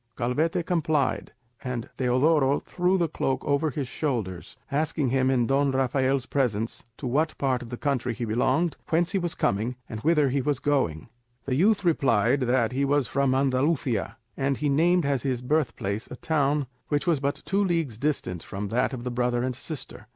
Calvete complied, and Teodoro threw the cloak over his shoulders, asking him in Don Rafael's presence to what part of the country he belonged, whence he was coming, and whither he was going. The youth replied that he was from Andalusia, and he named as his birthplace a town which was but two leagues distant from that of the brother and sister.